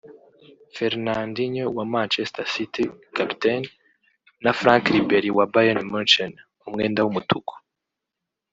Fernandinho wa Manchester City (captain) na Frank Ribbery wa Bayern Munchen (umwenda w'umutuku)